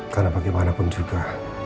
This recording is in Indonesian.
karena bagaimanapun juga